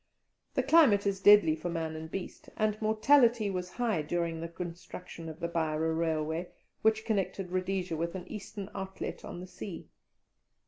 The climate is deadly for man and beast, and mortality was high during the construction of the Beira Railway, which connected Rhodesia with an eastern outlet on the sea.